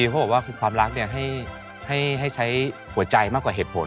เขาบอกว่าคือความรักให้ใช้หัวใจมากกว่าเหตุผล